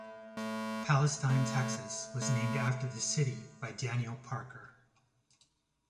Palestine, Texas was named after the city by Daniel Parker.